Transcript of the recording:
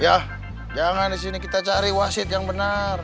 yah jangan di sini kita cari wasit yang benar